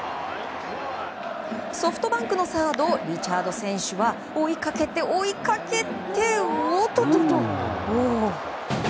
ソフトバンクのサードリチャード選手は追いかけて、追いかけておっとっと。